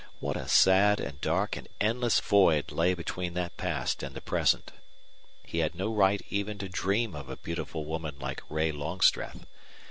What a sad and dark and endless void lay between that past and the present! He had no right even to dream of a beautiful woman like Ray Longstreth.